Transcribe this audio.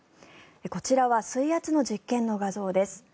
こちらは水圧の実験の画像です。